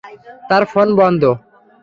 তার ফোন বন্ধ।